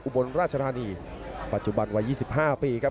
บนราชธานีปัจจุบันวัย๒๕ปีครับ